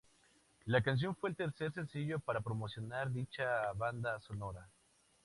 La canción fue el tercer sencillo para promocionar dicha banda sonora.